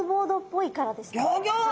ギョギョッ！